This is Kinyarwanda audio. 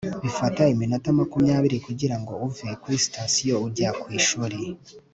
Bifata iminota makumyabiri kugirango uve kuri sitasiyo ujya ku ishuri